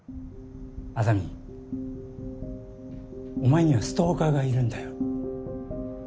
莇お前にはストーカーがいるんだよ。